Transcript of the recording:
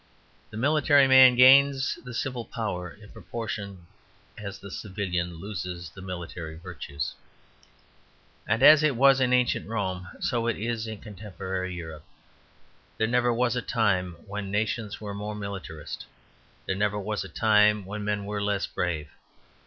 The military man gains the civil power in proportion as the civilian loses the military virtues. And as it was in ancient Rome so it is in contemporary Europe. There never was a time when nations were more militarist. There never was a time when men were less brave.